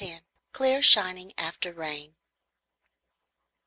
CLEAR SHINING AFTER RAIN.